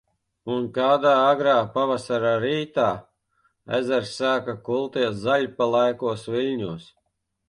Un kādā agrā pavasara rītā, ezers sāka kulties zaļpelēkos viļņos.